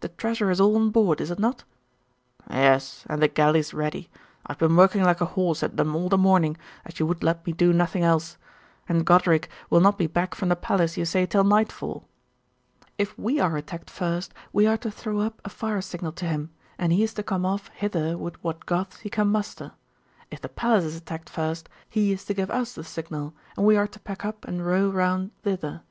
The treasure is all on board, is it not?' 'Yes, and the galleys ready. I have been working like a horse at them all the morning, as you would let me do nothing else. And Goderic will not be back from the palace, you say, till nightfall!' 'If we are attacked first, we are to throw up a fire signal to him, and he is to come off hither with what Goths he can muster. If the palace is attacked first, he is to give us the signal, and we are to pack up and row round thither.